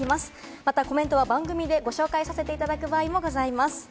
またコメントは番組でご紹介させていただく場合もございます。